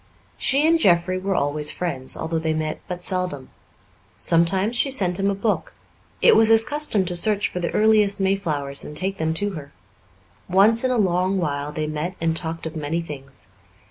She and Jeffrey were always friends, although they met but seldom. Sometimes she sent him a book; it was his custom to search for the earliest mayflowers and take them to her; once in a long while they met and talked of many things.